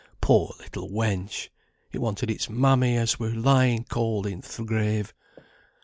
Poor little wench! It wanted its mammy, as were lying cold in th' grave.